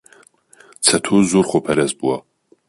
چەتۆ زۆر خۆپەرست بووە.